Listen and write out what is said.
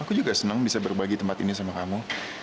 aku juga senang bisa berbagi tempat ini sama kamu